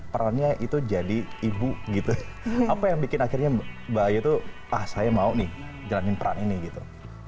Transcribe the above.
perannya itu jadi ibu gitu apa yang bikin akhirnya mbak ayu tuh ah saya mau nih jalanin peran ini gitu